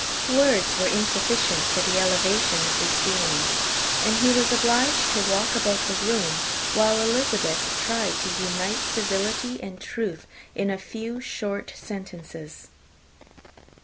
Words were insufficient for the elevation of his feelings; and he was obliged to walk about the room, while Elizabeth tried to unite civility and truth in a few short sentences.